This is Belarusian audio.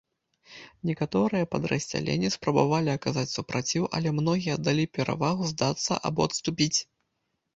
Некаторыя падраздзялення спрабавалі аказаць супраціў, але многія аддалі перавагу здацца або адступіць.